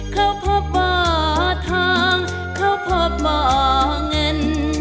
เขาพบว่าทางเขาพบบ่อเงิน